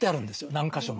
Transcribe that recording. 何か所も。